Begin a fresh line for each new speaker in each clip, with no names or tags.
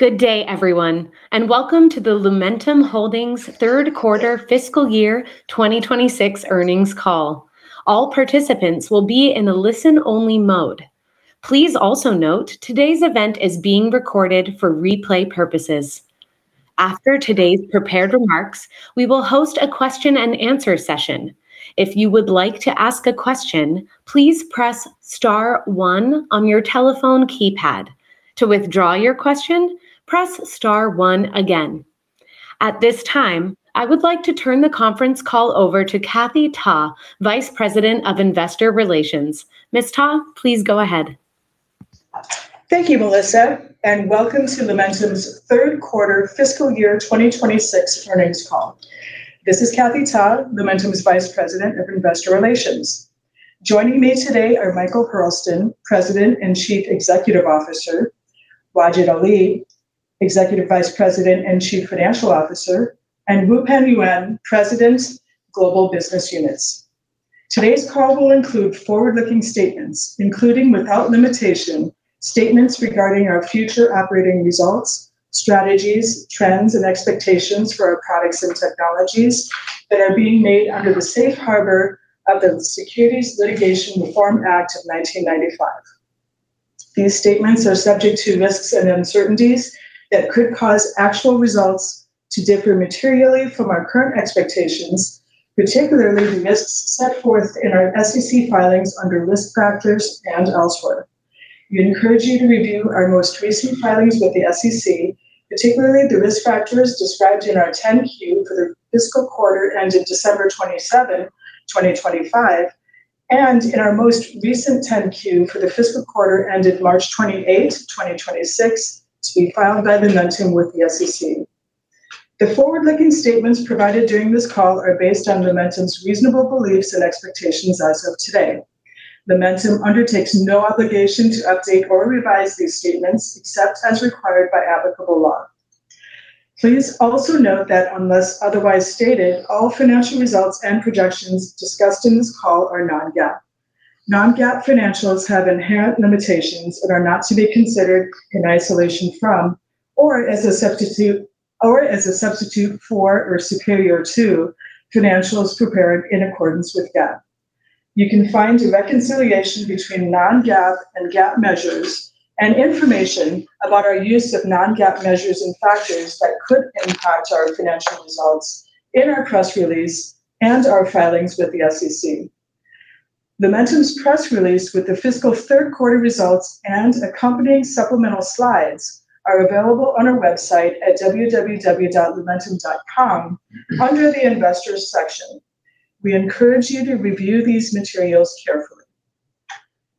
Good day, everyone, and welcome to the Lumentum Holdings third quarter fiscal year 2026 earnings call. All participants will be in a listen only mode. Please also note today's event is being recorded for replay purposes. After today's prepared remarks, we will host a question and answer session. If you would like to ask a question, please press star one on your telephone keypad. To withdraw your question, press star one again. At this time, I would like to turn the conference call over to Kathy Ta, Vice President of Investor Relations. Ms. Ta, please go ahead.
Thank you, Melissa. Welcome to Lumentum's third quarter fiscal year 2026 earnings call. This is Kathy Ta, Lumentum's Vice President of Investor Relations. Joining me today are Michael Hurlston, President and Chief Executive Officer; Wajid Ali, Executive Vice President and Chief Financial Officer; and Wupen Yuen, President, Global Business Units. Today's call will include forward-looking statements, including, without limitation, statements regarding our future operating results, strategies, trends, and expectations for our products and technologies that are being made under the safe harbor of the Private Securities Litigation Reform Act of 1995. These statements are subject to risks and uncertainties that could cause actual results to differ materially from our current expectations, particularly the risks set forth in our SEC filings under risk factors and elsewhere. We encourage you to review our most recent filings with the SEC, particularly the risk factors described in our 10-Q for the fiscal quarter ended December 27, 2025, and in our most recent 10-Q for the fiscal quarter ended March 28, 2026, to be filed by Lumentum with the SEC. The forward-looking statements provided during this call are based on Lumentum's reasonable beliefs and expectations as of today. Lumentum undertakes no obligation to update or revise these statements except as required by applicable law. Please also note that unless otherwise stated, all financial results and projections discussed in this call are non-GAAP. Non-GAAP financials have inherent limitations and are not to be considered in isolation from, or as a substitute for or superior to financials prepared in accordance with GAAP. You can find a reconciliation between non-GAAP and GAAP measures and information about our use of non-GAAP measures and factors that could impact our financial results in our press release and our filings with the SEC. Lumentum's press release with the fiscal third quarter results and accompanying supplemental slides are available on our website at www.lumentum.com under the Investors section. We encourage you to review these materials carefully.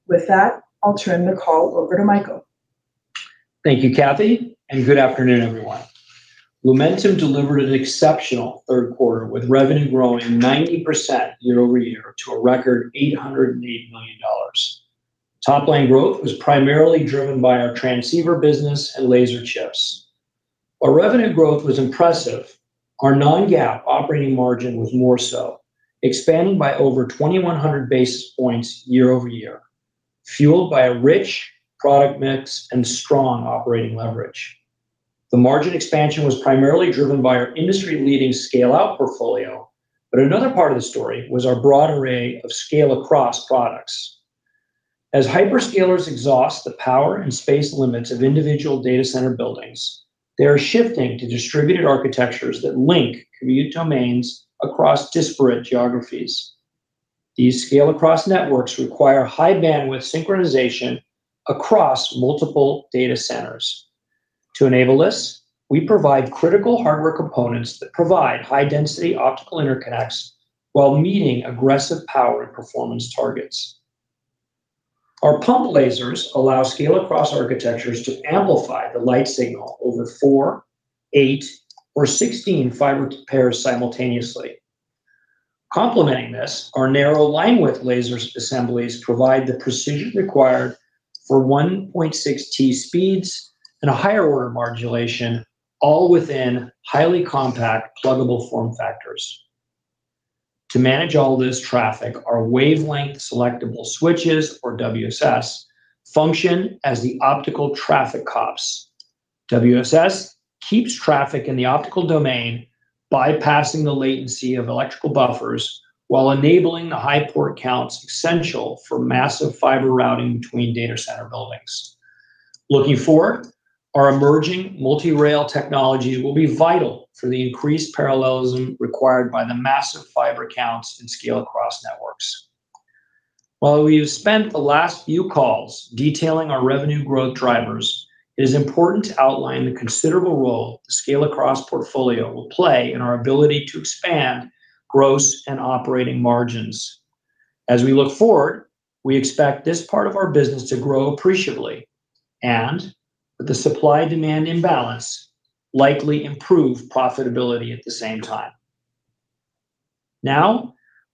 With that, I'll turn the call over to Michael.
Thank you, Kathy. Good afternoon, everyone. Lumentum delivered an exceptional third quarter with revenue growing 90% year-over-year to a record $808 million. Top line growth was primarily driven by our transceiver business and laser chips. Our revenue growth was impressive. Our non-GAAP operating margin was more so, expanding by over 2,100 basis points year-over-year, fueled by a rich product mix and strong operating leverage. The margin expansion was primarily driven by our industry-leading scale-out portfolio, but another part of the story was our broad array of scale-across products. As hyperscalers exhaust the power and space limits of individual data center buildings, they are shifting to distributed architectures that link compute domains across disparate geographies. These scale-across networks require high bandwidth synchronization across multiple data centers. To enable this, we provide critical hardware components that provide high-density optical interconnects while meeting aggressive power and performance targets. Our pump lasers allow scale-across architectures to amplify the light signal over four, eight, or 16 fiber pairs simultaneously. Complementing this, our narrow linewidth lasers assemblies provide the precision required for 1.6T speeds and a higher order modulation, all within highly compact pluggable form factors. To manage all this traffic, our wavelength selectable switches, or WSS, function as the optical traffic cops. WSS keeps traffic in the optical domain, bypassing the latency of electrical buffers while enabling the high port counts essential for massive fiber routing between data center buildings. Looking forward, our emerging multi-rail technologies will be vital for the increased parallelism required by the massive fiber counts in scale-across networks. While we have spent the last few calls detailing our revenue growth drivers, it is important to outline the considerable role the scale-across portfolio will play in our ability to expand gross and operating margins. We expect this part of our business to grow appreciably and with the supply-demand imbalance likely improve profitability at the same time.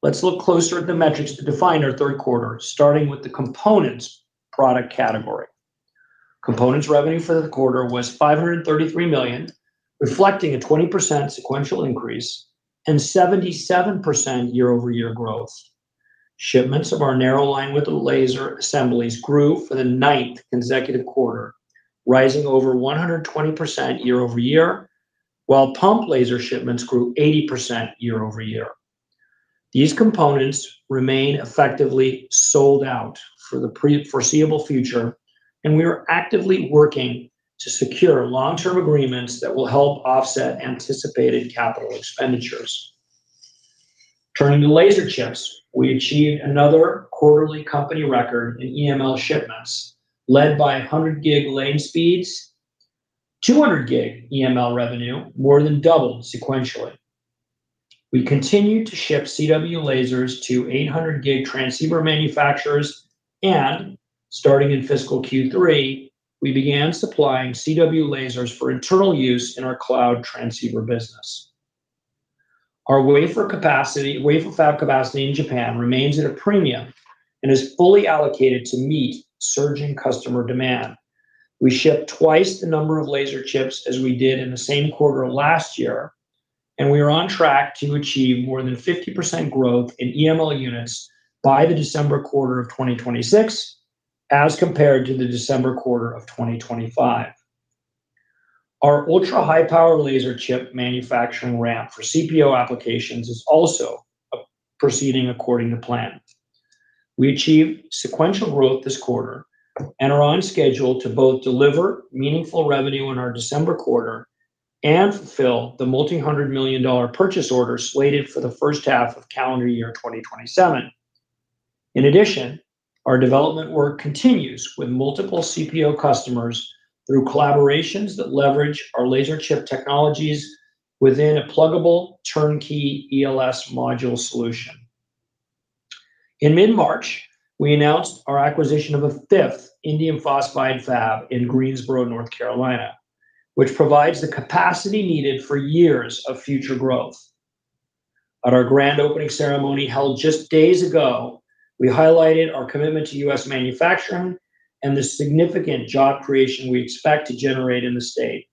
Let's look closer at the metrics that define our third quarter, starting with the components product category. Components revenue for the quarter was $533 million, reflecting a 20% sequential increase and 77% year-over-year growth. Shipments of our narrow linewidth laser assemblies grew for the ninth consecutive quarter, rising over 120% year-over-year, while pump laser shipments grew 80% year-over-year. These components remain effectively sold out for the foreseeable future. We are actively working to secure long-term agreements that will help offset anticipated capital expenditures. Turning to laser chips, we achieved another quarterly company record in EML shipments. Led by 100 gig lane speeds, 200 gig EML revenue more than doubled sequentially. We continue to ship CW lasers to 800 gig transceiver manufacturers, and starting in fiscal Q3, we began supplying CW lasers for internal use in our cloud transceiver business. Our wafer fab capacity in Japan remains at a premium and is fully allocated to meet surging customer demand. We ship twice the number of laser chips as we did in the same quarter last year. We are on track to achieve more than 50% growth in EML units by the December quarter of 2026 as compared to the December quarter of 2025. Our ultra-high power laser chip manufacturing ramp for CPO applications is also proceeding according to plan. We achieved sequential growth this quarter and are on schedule to both deliver meaningful revenue on our December quarter and fulfill the multi-100 million dollar purchase order slated for the first half of calendar year 2027. In addition, our development work continues with multiple CPO customers through collaborations that leverage our laser chip technologies within a pluggable turnkey ELS module solution. In mid-March, we announced our acquisition of a fifth indium phosphide fab in Greensboro, North Carolina, which provides the capacity needed for years of future growth. At our grand opening ceremony held just days ago, we highlighted our commitment to U.S. manufacturing and the significant job creation we expect to generate in the state.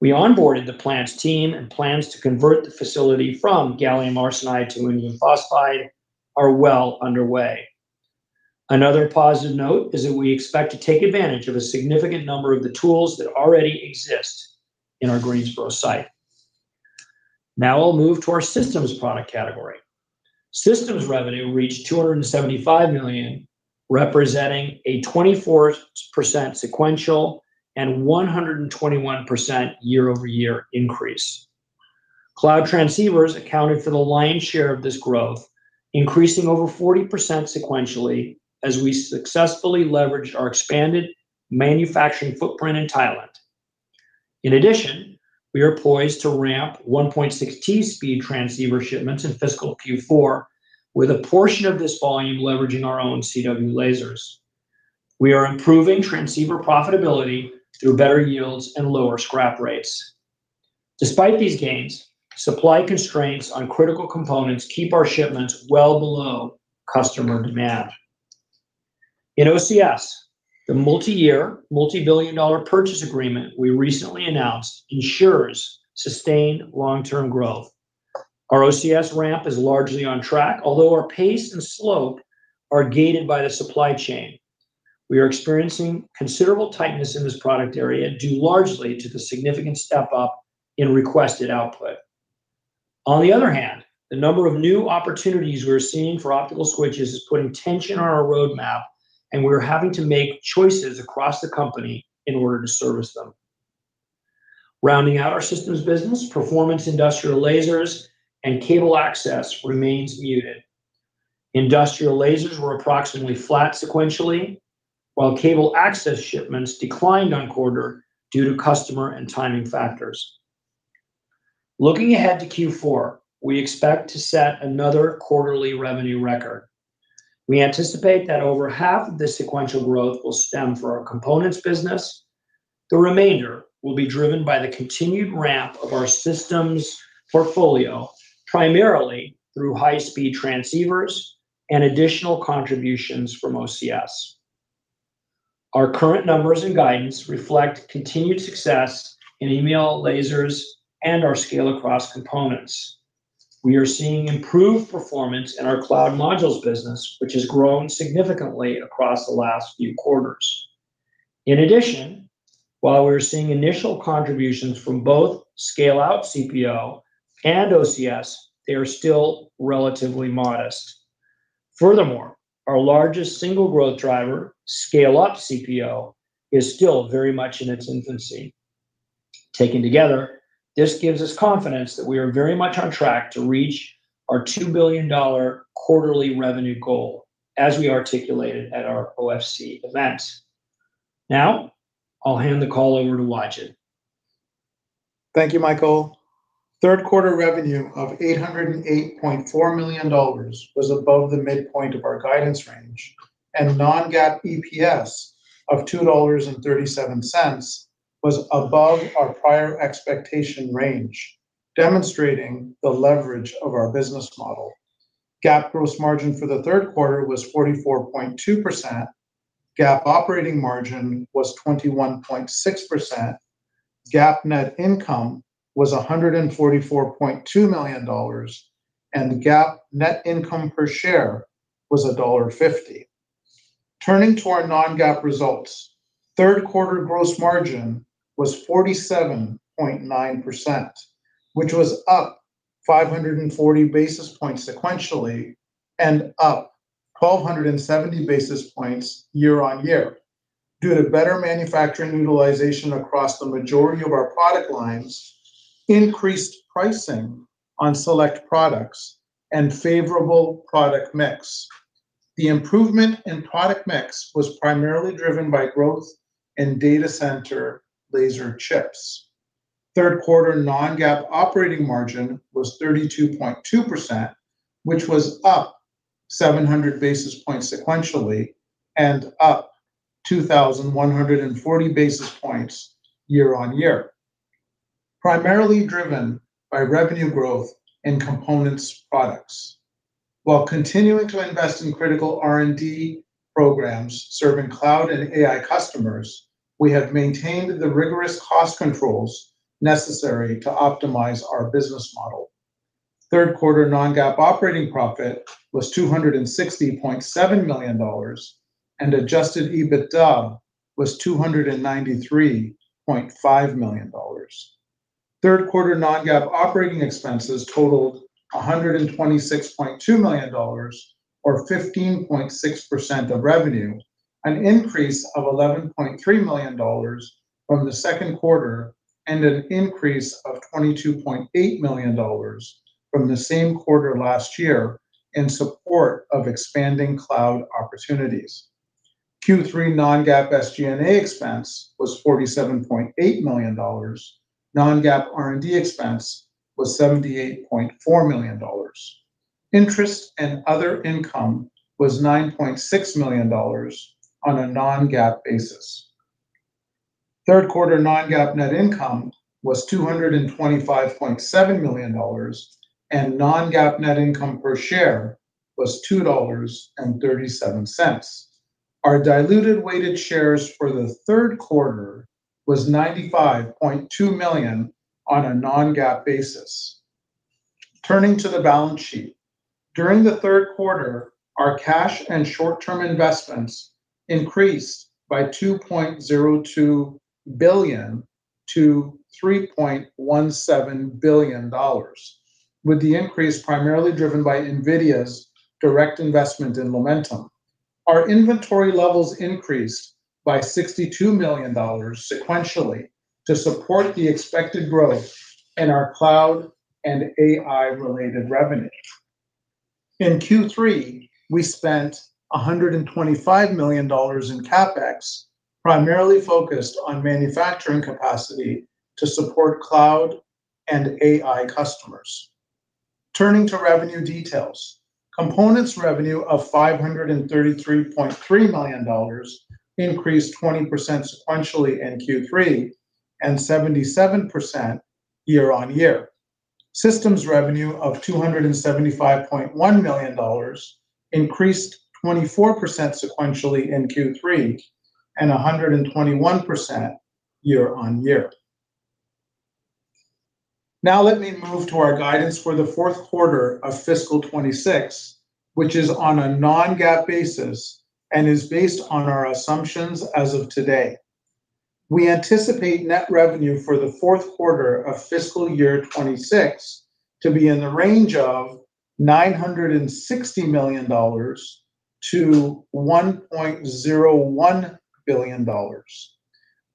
We onboarded the plant's team, and plans to convert the facility from gallium arsenide to indium phosphide are well underway. Another positive note is that we expect to take advantage of a significant number of the tools that already exist in our Greensboro site. Now I'll move to our systems product category. Systems revenue reached $275 million, representing a 24% sequential and 121% year-over-year increase. Cloud transceivers accounted for the lion's share of this growth, increasing over 40% sequentially as we successfully leveraged our expanded manufacturing footprint in Thailand. In addition, we are poised to ramp 1.6T speed transceiver shipments in fiscal Q4 with a portion of this volume leveraging our own CW lasers. We are improving transceiver profitability through better yields and lower scrap rates. Despite these gains, supply constraints on critical components keep our shipments well below customer demand. In OCS, the multi-year, multi-billion dollar purchase agreement we recently announced ensures sustained long-term growth. Our OCS ramp is largely on track, although our pace and slope are gated by the supply chain. We are experiencing considerable tightness in this product area, due largely to the significant step up in requested output. On the other hand, the number of new opportunities we're seeing for optical switches is putting tension on our roadmap, and we're having to make choices across the company in order to service them. Rounding out our systems business, performance industrial lasers and cable access remains muted. Industrial lasers were approximately flat sequentially, while cable access shipments declined on quarter due to customer and timing factors. Looking ahead to Q4, we expect to set another quarterly revenue record. We anticipate that over half of the sequential growth will stem from our components business. The remainder will be driven by the continued ramp of our systems portfolio, primarily through high-speed transceivers and additional contributions from OCS. Our current numbers and guidance reflect continued success in EML lasers and our scale-across components. We are seeing improved performance in our cloud modules business, which has grown significantly across the last few quarters. In addition, while we're seeing initial contributions from both scale-out CPO and OCS, they are still relatively modest. Furthermore, our largest single growth driver, scale-up CPO, is still very much in its infancy. Taken together, this gives us confidence that we are very much on track to reach our $2 billion quarterly revenue goal as we articulated at our OFC event. Now I'll hand the call over to Wajid.
Thank you, Michael. Third quarter revenue of $808.4 million was above the midpoint of our guidance range, non-GAAP EPS of $2.37 was above our prior expectation range, demonstrating the leverage of our business model. GAAP gross margin for the third quarter was 44.2%. GAAP operating margin was 21.6%. GAAP net income was $144.2 million, the GAAP net income per share was $1.50. Turning to our non-GAAP results, third quarter gross margin was 47.9%, which was up 540 basis points sequentially, up 1,270 basis points year-over-year, due to better manufacturing utilization across the majority of our product lines, increased pricing on select products, and favorable product mix. The improvement in product mix was primarily driven by growth in data center laser chips. Third quarter non-GAAP operating margin was 32.2%, which was up 700 basis points sequentially, and up 2,140 basis points year-on-year, primarily driven by revenue growth in components products. While continuing to invest in critical R&D programs serving cloud and AI customers, we have maintained the rigorous cost controls necessary to optimize our business model. Third quarter non-GAAP operating profit was $260.7 million, and adjusted EBITDA was $293.5 million. Third quarter non-GAAP operating expenses totaled $126.2 million, or 15.6% of revenue, an increase of $11.3 million from the second quarter, and an increase of $22.8 million from the same quarter last year in support of expanding cloud opportunities. Q3 non-GAAP SG&A expense was $47.8 million. Non-GAAP R&D expense was $78.4 million. Interest and other income was $9.6 million on a non-GAAP basis. Third quarter non-GAAP net income was $225.7 million, and non-GAAP net income per share was $2.37. Our diluted weighted shares for the third quarter was 95.2 million on a non-GAAP basis. Turning to the balance sheet, during the third quarter, our cash and short-term investments increased by $2.02 billion to $3.17 billion, with the increase primarily driven by NVIDIA's direct investment in Lumentum. Our inventory levels increased by $62 million sequentially to support the expected growth in our cloud and AI-related revenue. In Q3, we spent $125 million in CapEx, primarily focused on manufacturing capacity to support cloud and AI customers. Turning to revenue details, components revenue of $533.3 million increased 20% sequentially in Q3 and 77% year-on-year. Systems revenue of $275.1 million increased 24% sequentially in Q3 and 121% year-on-year. Let me move to our guidance for the fourth quarter of fiscal 2026, which is on a non-GAAP basis and is based on our assumptions as of today. We anticipate net revenue for the fourth quarter of fiscal year 2026 to be in the range of $960 million-$1.01 billion.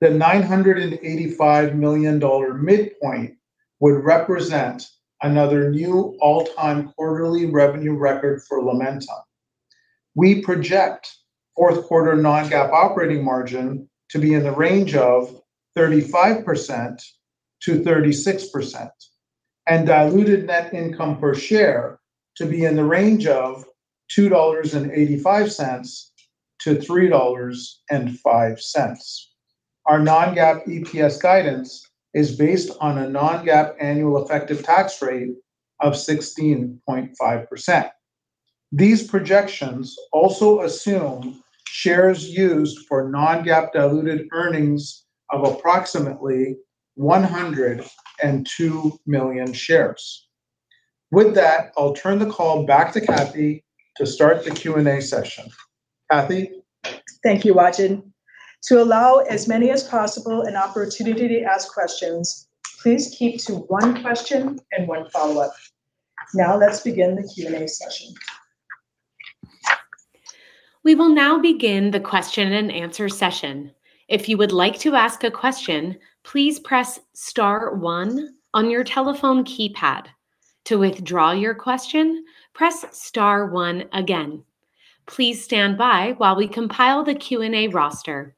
The $985 million midpoint would represent another new all-time quarterly revenue record for Lumentum. We project fourth quarter non-GAAP operating margin to be in the range of 35%-36%, and diluted net income per share to be in the range of $2.85-$3.05. Our non-GAAP EPS guidance is based on a non-GAAP annual effective tax rate of 16.5%. These projections also assume shares used for non-GAAP diluted earnings of approximately 102 million shares. With that, I'll turn the call back to Kathy to start the Q&A session. Kathy?
Thank you, Wajid. To allow as many as possible an opportunity to ask questions, please keep to one question and one follow-up. Let's begin the Q&A session.
We will now begin the question and answer session. If you'd like to ask a question please press star one on your telephone keypad, to withdraw your question press star one again. Please standby while we compile the Q&A roaster.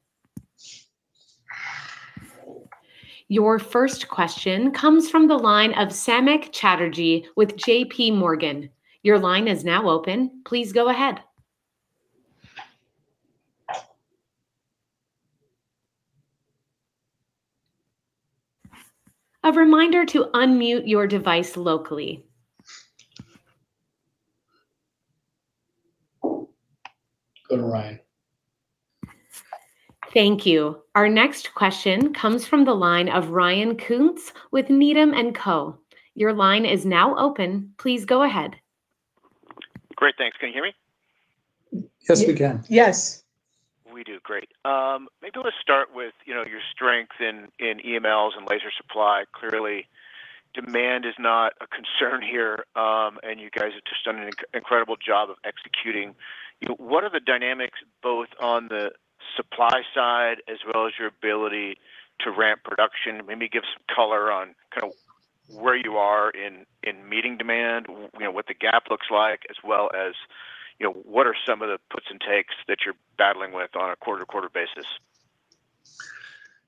Your first question comes from the line of Samik Chatterjee with JPMorgan. Your line is now open please go ahead. A reminder to unmute your device locally.
Go to Ryan.
Thank you. Our next question comes from the line of Ryan Koontz with Needham & Co. Your line is now open. Please go ahead.
Great. Thanks. Can you hear me?
Yes, we can.
Yes.
We do. Great. Maybe let's start with, you know, your strength in EMLs and laser supply. Clearly, demand is not a concern here, and you guys have just done an incredible job of executing. You know, what are the dynamics both on the supply side as well as your ability to ramp production? Maybe give some color on kind of where you are in meeting demand, you know, what the gap looks like, as well as, you know, what are some of the puts and takes that you're battling with on a quarter-to-quarter basis?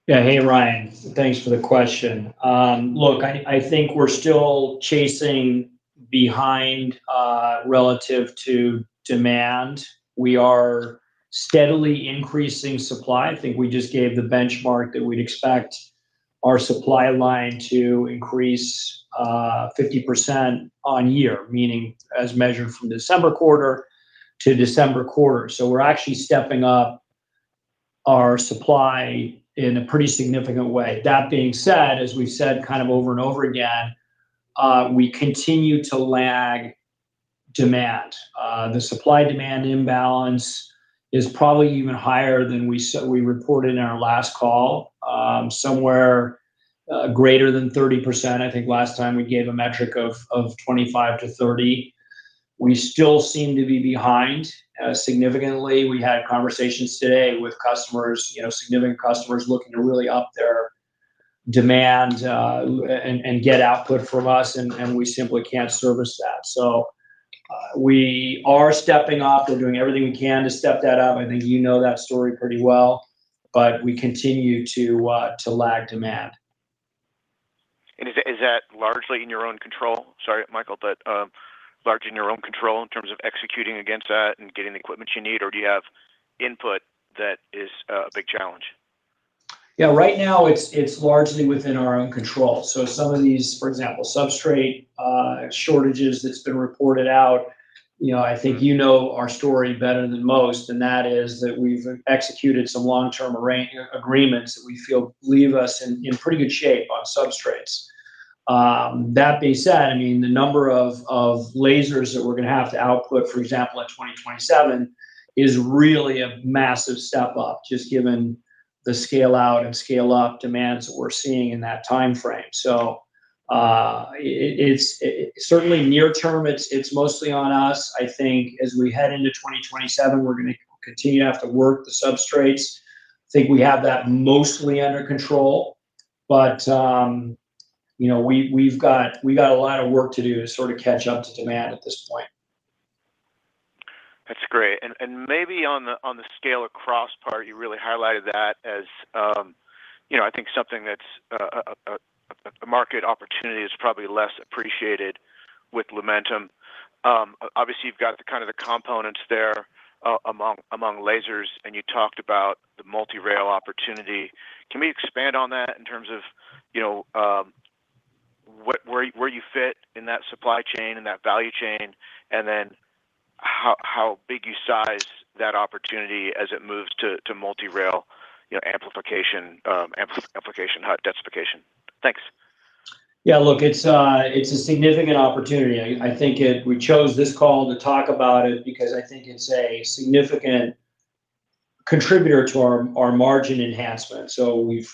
Hey, Ryan. Thanks for the question. Look, I think we're still chasing behind relative to demand. We are steadily increasing supply. I think we just gave the benchmark that we'd expect our supply line to increase 50% on year, meaning as measured from December quarter to December quarter. We're actually stepping up our supply in a pretty significant way. That being said, as we've said kind of over and over again, we continue to lag demand. The supply-demand imbalance is probably even higher than we reported in our last call, somewhere greater than 30%. I think last time we gave a metric of 25%-30%. We still seem to be behind significantly. We had conversations today with customers, you know, significant customers looking to really up their demand, and get output from us, and we simply can't service that. We are stepping up and doing everything we can to step that up. I think you know that story pretty well, we continue to lag demand.
Is that largely in your own control? Sorry, Michael, but, largely in your own control in terms of executing against that and getting the equipment you need, or do you have input that is a big challenge?
Yeah, right now it's largely within our own control. Some of these, for example, substrate shortages that's been reported out, you know, I think you know our story better than most, and that is that we've executed some long-term agreements that we feel leave us in pretty good shape on substrates. That being said, I mean, the number of lasers that we're gonna have to output, for example, at 2027 is really a massive step up, just given the scale out and scale up demands that we're seeing in that timeframe. It's certainly near term, it's mostly on us. I think as we head into 2027, we're gonna continue to have to work the substrates. I think we have that mostly under control, but, you know, we've got a lot of work to do to sort of catch up to demand at this point.
That's great. Maybe on the scale-across part, you really highlighted that as, you know, I think something that's a market opportunity is probably less appreciated with Lumentum. Obviously, you've got kind of the components there among lasers, and you talked about the multi-rail opportunity. Can we expand on that in terms of, you know, where you fit in that supply chain, in that value chain, and then how big you size that opportunity as it moves to multi-rail, you know, amplification, high densification? Thanks.
Look, it's a significant opportunity. I think we chose this call to talk about it because I think it's a significant contributor to our margin enhancement.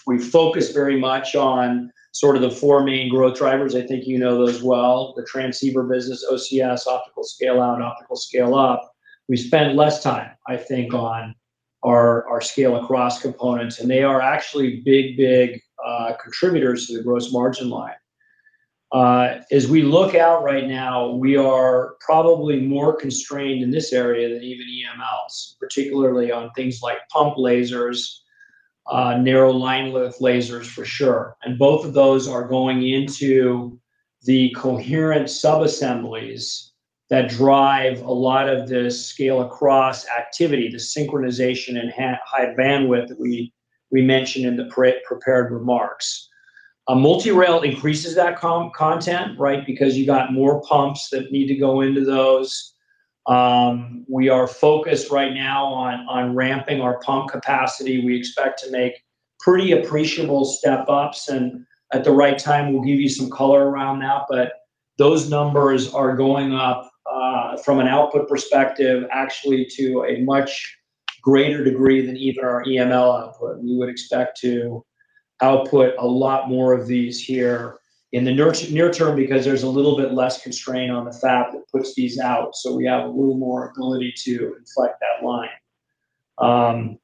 We've focused very much on sort of the four main growth drivers. I think you know those well, the transceiver business, OCS, optical scale-out, and optical scale-up. We spend less time, I think, on our scale-across components, and they are actually big contributors to the gross margin line. As we look out right now, we are probably more constrained in this area than even EMLs, particularly on things like pump lasers, narrow linewidth lasers for sure. Both of those are going into the coherent sub-assemblies that drive a lot of the scale-across activity, the synchronization and high-bandwidth that we mentioned in the pre-prepared remarks. A multi-rail increases that content, right? You got more pumps that need to go into those. We are focused right now on ramping our pump capacity. We expect to make pretty appreciable step-ups, at the right time we'll give you some color around that. Those numbers are going up from an output perspective, actually, to a much greater degree than even our EML output. We would expect to output a lot more of these here in the near term because there's a little bit less constraint on the fab that puts these out, so we have a little more ability to inflate that line.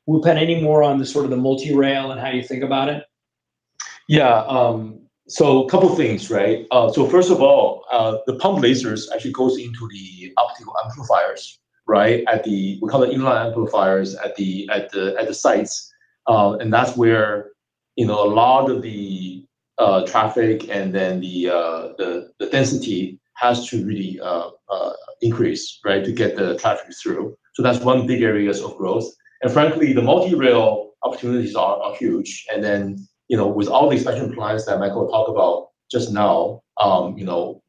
Wupen, any more on the sort of the multi-rail and how you think about it?
Couple things, right? First of all, the pump lasers actually goes into the optical amplifiers, right? At the, we call it inline amplifiers at the sites. That's where, you know, a lot of the traffic and the density has to really increase, right? To get the traffic through. That's one big areas of growth. Frankly, the multi-rail opportunities are huge. You know, with all the special clients that Michael talked about just now, you know,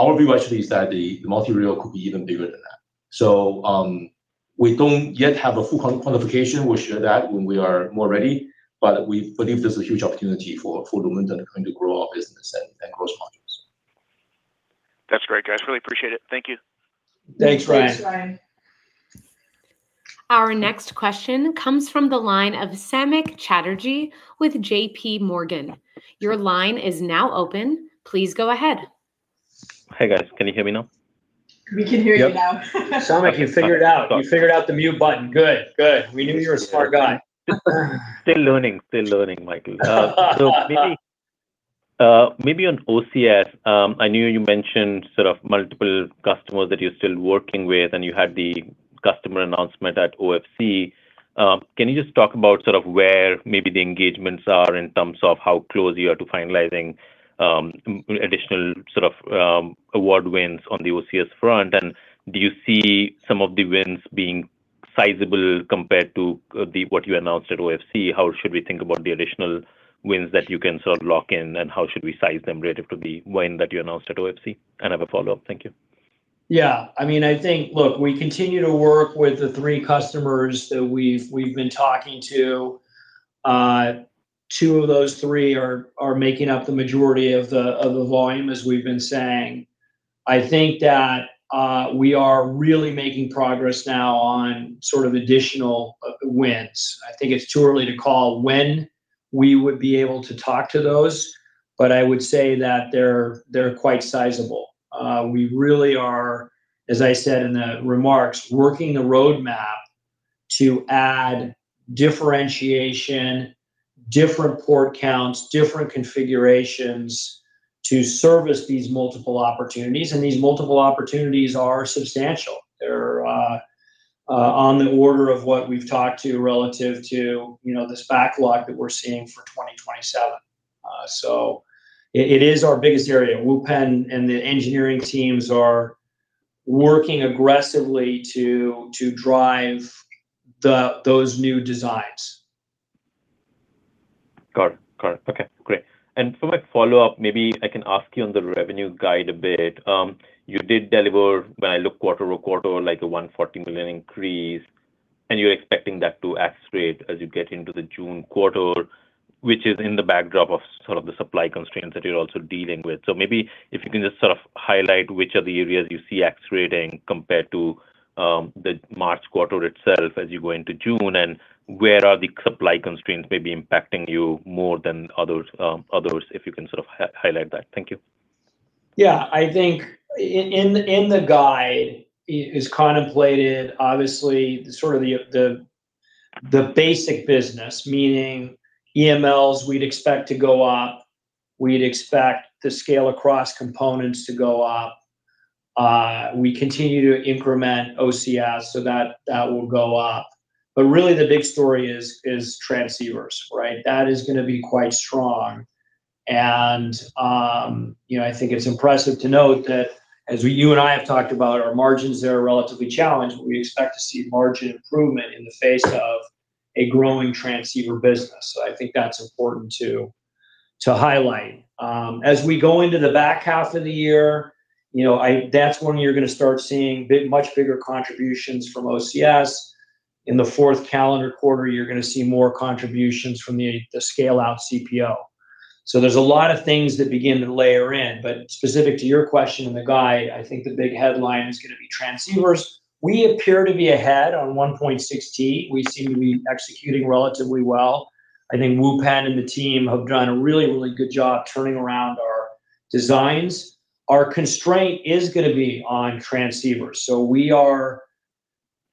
our view actually is that the multi-rail could be even bigger than that. We don't yet have a full quantification. We'll share that when we are more ready. We believe there's a huge opportunity for Lumentum and it can grow our business and gross margins.
That's great, guys, really appreciate it. Thank you.
Thanks, Ryan.
Thanks, Ryan.
Our next question comes from the line of Samik Chatterjee with JPMorgan.
Hey guys, can you hear me now?
We can hear you now.
Yep. Samik, you figured out the mute button. Good. We knew you were a smart guy.
Still learning, Michael. Maybe, maybe on OCS, I know you mentioned sort of multiple customers that you're still working with, and you had the customer announcement at OFC. Can you just talk about sort of where maybe the engagements are in terms of how close you are to finalizing additional sort of award wins on the OCS front and do you see some of the wins being sizable compared to the what you announced at OFC? How should we think about the additional wins that you can sort of lock in, and how should we size them relative to the win that you announced at OFC? I have a follow-up. Thank you.
I mean, I think, look, we continue to work with the three customers that we've been talking to. Two of those three are making up the majority of the volume, as we've been saying. I think that we are really making progress now on sort of additional wins. I think it's too early to call when we would be able to talk to those, but I would say that they're quite sizable. We really are, as I said in the remarks, working the roadmap to add differentiation, different port counts, different configurations to service these multiple opportunities, and these multiple opportunities are substantial. They're on the order of what we've talked to relative to, you know, this backlog that we're seeing for 2027. It is our biggest area. Wupen and the engineering teams are working aggressively to drive those new designs.
Got it. Got it. Okay. Great. For my follow-up, maybe I can ask you on the revenue guide a bit. You did deliver, when I look quarter-over-quarter, like a $140 million increase, and you're expecting that to accelerate as you get into the June quarter, which is in the backdrop of sort of the supply constraints that you're also dealing with. Maybe if you can just sort of highlight which of the areas you see accelerating compared to the March quarter itself as you go into June, and where are the supply constraints maybe impacting you more than others, if you can sort of highlight that. Thank you.
Yeah. I think in the guide is contemplated obviously sort of the basic business, meaning EMLs we'd expect to go up, we'd expect the scale-across components to go up. We continue to increment OCS so that will go up. Really the big story is transceivers, right? That is going to be quite strong. You know, I think it's impressive to note that, as you and I have talked about, our margins there are relatively challenged, but we expect to see margin improvement in the face of a growing transceiver business. I think that's important to highlight. As we go into the back half of the year, you know, that's when you're going to start seeing big, much bigger contributions from OCS. In the fourth calendar quarter, you're gonna see more contributions from the scale-out CPO. There's a lot of things that begin to layer in, but specific to your question in the guide, I think the big headline is gonna be transceivers. We appear to be ahead on 1.6T. We seem to be executing relatively well. I think Wupen Yuen and the team have done a really good job turning around our designs. Our constraint is gonna be on transceivers.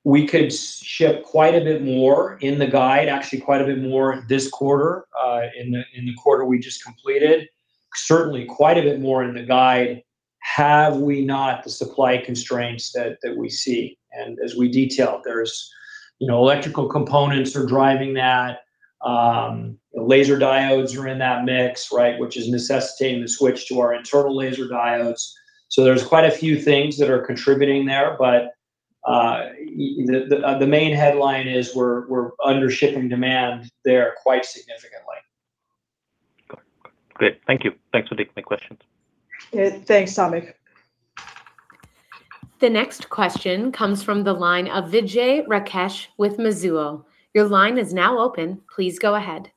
We could ship quite a bit more in the guide, actually quite a bit more this quarter, in the quarter we just completed. Certainly quite a bit more in the guide had we not the supply constraints that we see. As we detailed, there's, you know, electrical components are driving that. Laser diodes are in that mix, right? Which is necessitating the switch to our internal laser diodes. There's quite a few things that are contributing there. The main headline is we're under shipping demand there quite significantly.
Got it. Great. Thank you. Thanks for taking my questions.
Yeah. Thanks, Samik.
The next question comes from the line of Vijay Rakesh with Mizuho. Your line is now open. Please go ahead.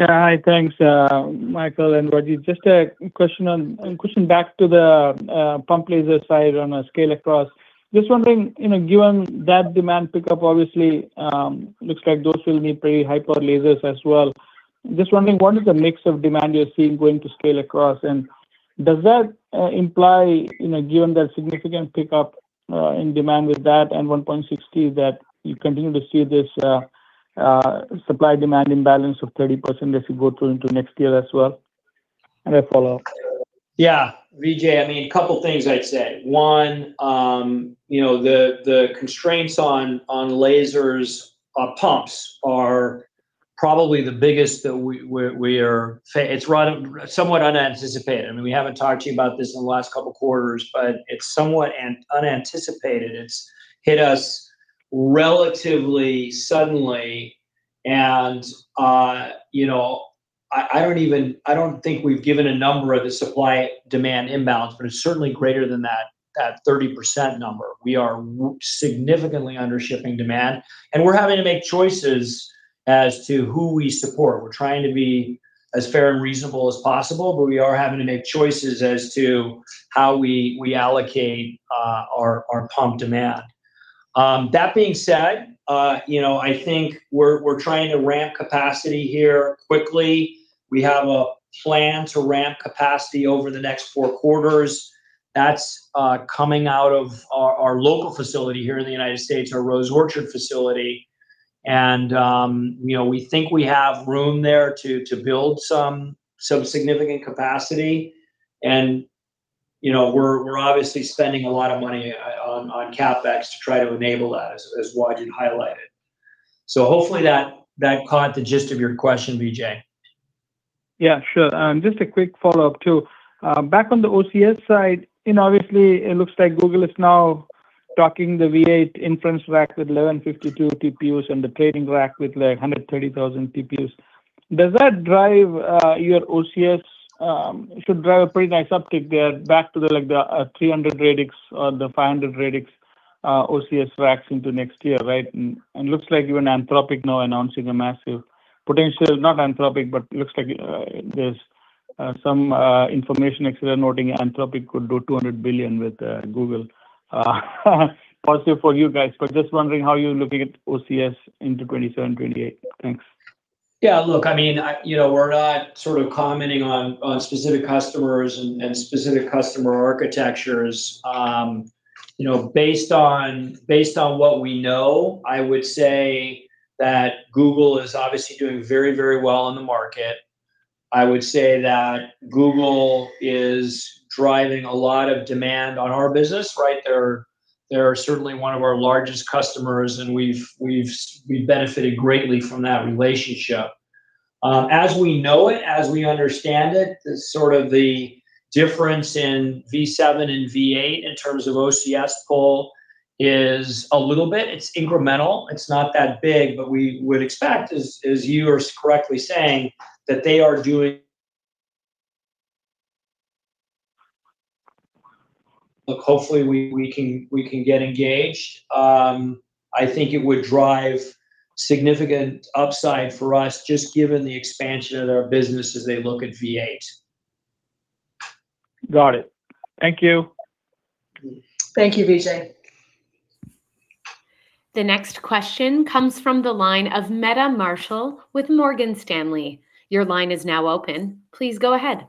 Hi. Thanks, Michael and Wajid. Just a question back to the pump lasers side on a scale-across. Just wondering, you know, given that demand pickup obviously, looks like those will need pretty ultra-high power lasers as well. Just wondering, what is the mix of demand you're seeing going to scale-across? Does that imply, you know, given that significant pickup in demand with that and 1.6T that you continue to see this supply-demand imbalance of 30% as you go through into next year as well? A follow-up.
Yeah. Vijay, I mean, couple things I'd say. One, you know, the constraints on lasers, pumps are probably the biggest that we are rather somewhat unanticipated. I mean, we haven't talked to you about this in the last couple of quarters, but it's somewhat unanticipated. It's hit us relatively suddenly. I don't think we've given a number of the supply-demand imbalance, but it's certainly greater than that 30% number. We are significantly under shipping demand, and we're having to make choices as to who we support. We're trying to be as fair and reasonable as possible, but we are having to make choices as to how we allocate our pump demand. That being said, you know, I think we're trying to ramp capacity here quickly. We have a plan to ramp capacity over the next four quarters. That's coming out of our local facility here in the U.S., our Rose Orchard facility. You know, we think we have room there to build some significant capacity. You know, we're obviously spending a lot of money on CapEx to try to enable that, as Wajid highlighted. Hopefully that caught the gist of your question, Vijay.
Yeah, sure. Just a quick follow-up too. Back on the OCS side, you know, obviously it looks like Google is now talking the TPU V8 inference rack with 1,152 TPUs and the training rack with like 130,000 TPUs. Does that drive your OCS, should drive a pretty nice uptick there back to the, like the, 300-radix or the 500-radix OCS racks into next year, right? Looks like even Anthropic now announcing a massive potential. Not Anthropic, but looks like there's some information actually noting Anthropic could do $200 billion with Google. Positive for you guys, but just wondering how you're looking at OCS into 2027, 2028. Thanks.
I mean, you know, we're not sort of commenting on specific customers and specific customer architectures. You know, based on what we know, I would say that Google is obviously doing very well in the market. I would say that Google is driving a lot of demand on our business, right? They're certainly one of our largest customers, and we've benefited greatly from that relationship. As we know it, as we understand it, the sort of the difference in V7 and V8 in terms of OCS pull is a little bit, it's incremental. It's not that big. We would expect, as you are correctly saying, hopefully we can get engaged. I think it would drive significant upside for us just given the expansion of their business as they look at V8.
Got it. Thank you.
Thank you, Vijay.
The next question comes from the line of Meta Marshall with Morgan Stanley. Your line is now open. Please go ahead.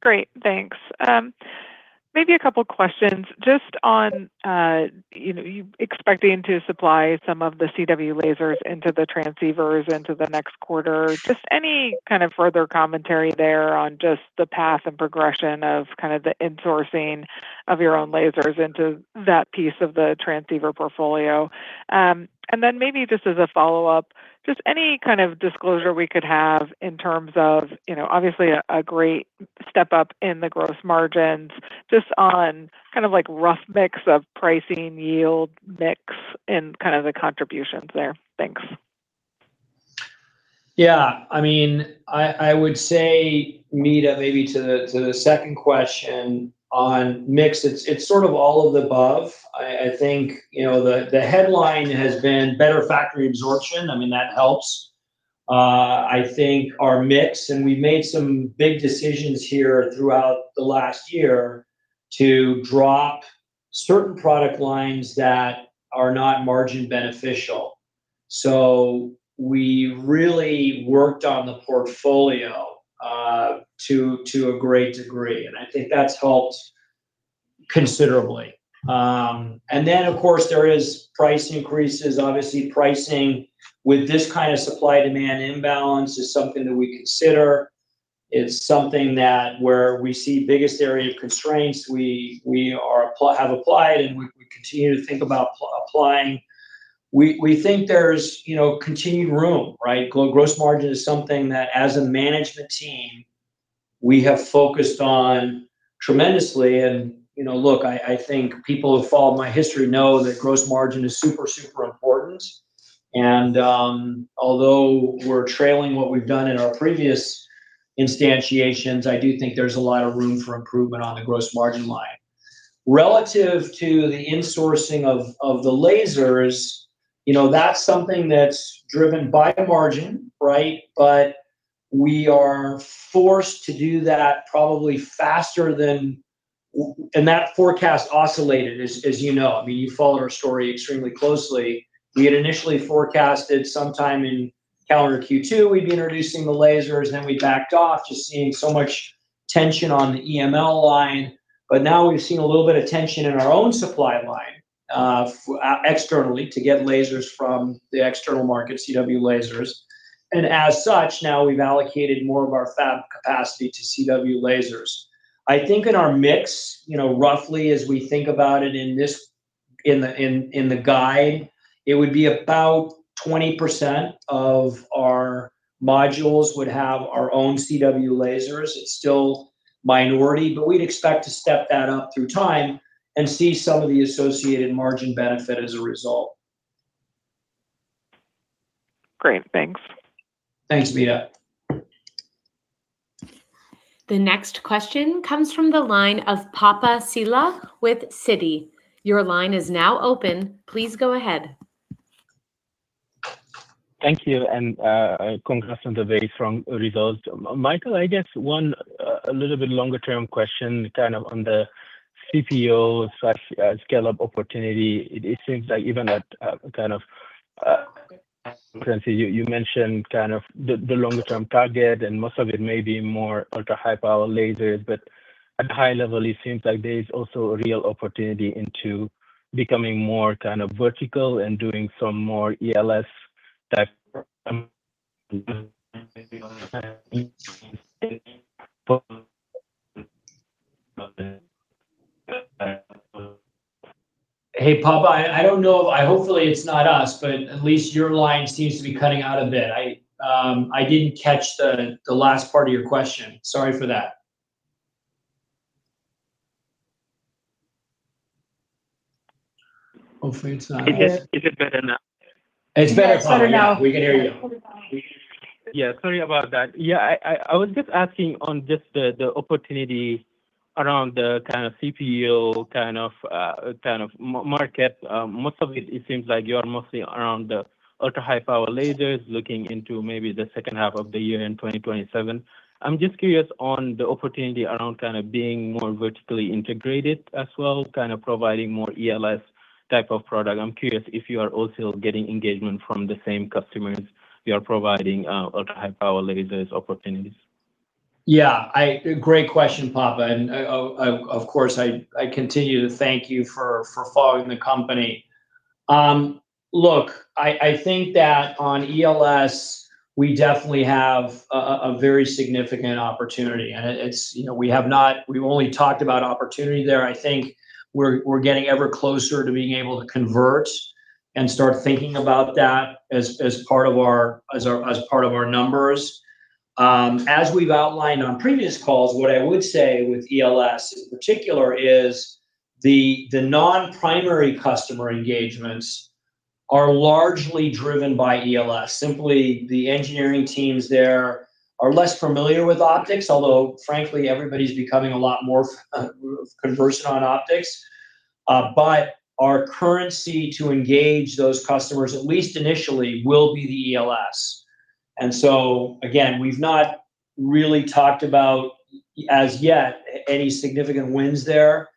Great, thanks. Maybe a couple questions just on, you know, you expecting to supply some of the CW lasers into the transceivers into the next quarter. Just any kind of further commentary there on just the path and progression of kind of the insourcing of your own lasers into that piece of the transceiver portfolio. Then maybe just as a follow-up, just any kind of disclosure we could have in terms of, you know, obviously a great step-up in the gross margins, just on kind of like rough mix of pricing yield mix and kind of the contributions there. Thanks.
I mean, I would say, Meta, maybe to the second question on mix, it's sort of all of the above. I think, you know, the headline has been better factory absorption. I mean, that helps. I think our mix, and we've made some big decisions here throughout the last year to drop certain product lines that are not margin beneficial. We really worked on the portfolio to a great degree, and I think that's helped considerably. Of course there is price increases. Obviously, pricing with this kind of supply-demand imbalance is something that we consider. It's something that where we see biggest area of constraints, we have applied, and we continue to think about applying. We think there's, you know, continued room, right? Gross margin is something that as a management team we have focused on tremendously. You know, look, I think people who've followed my history know that gross margin is super important. Although we're trailing what we've done in our previous instantiations, I do think there's a lot of room for improvement on the gross margin line. Relative to the insourcing of the lasers, you know, that's something that's driven by the margin, right? We are forced to do that probably faster than that forecast oscillated, as you know. I mean, you follow our story extremely closely. We had initially forecasted sometime in calendar Q2 we'd be introducing the lasers, and then we backed off just seeing so much tension on the EML line. Now we've seen a little bit of tension in our own supply line, externally to get lasers from the external market, CW lasers. As such, now we've allocated more of our fab capacity to CW lasers. I think in our mix, you know, roughly as we think about it in the guide, it would be about 20% of our modules would have our own CW lasers. It's still minority, but we'd expect to step that up through time. And see some of the associated margin benefit as a result.
Great. Thanks.
Thanks, Meta.
The next question comes from the line of Papa Sylla with Citi. Your line is now open. Please go ahead.
Thank you. Congrats on the very strong results. Michael, I guess one, a little bit longer term question kind of on the CPO/scale-up opportunity. It seems like even at, kind of, potentially you mentioned kind of the longer term target, and most of it may be more ultra-high power lasers. At a high level, it seems like there is also a real opportunity into becoming more kind of vertical and doing some more ELS type.
Hey, Papa, I don't know. Hopefully it's not us, at least your line seems to be cutting out a bit. I didn't catch the last part of your question. Sorry for that. Hopefully it's not us.
Is it better now?
It's better now.
It's better now.
We can hear you.
Yeah, sorry about that. Yeah, I was just asking on just the opportunity around the kind of CPO kind of market. Most of it seems like you are mostly around the ultra-high power lasers looking into maybe the second half of the year end 2027. I'm just curious on the opportunity around kind of being more vertically integrated as well, kind of providing more ELS type of product. I'm curious if you are also getting engagement from the same customers you are providing ultra-high power lasers opportunities.
Yeah, great question, Papa, I, of course, I continue to thank you for following the company. Look, I think that on ELS we definitely have a very significant opportunity, and it's, you know, we've only talked about opportunity there. I think we're getting ever closer to being able to convert and start thinking about that as part of our numbers. As we've outlined on previous calls, what I would say with ELS in particular is the non-primary customer engagements are largely driven by ELS. Simply, the engineering teams there are less familiar with optics, although frankly everybody's becoming a lot more conversant on optics. Our currency to engage those customers, at least initially, will be the ELS. Again, we've not really talked about as yet any significant wins there.